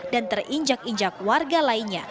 dan terinjak injak warga lainnya